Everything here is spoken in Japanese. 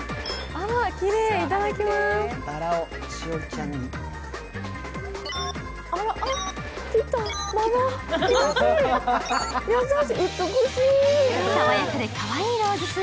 きれい、いただきまーす。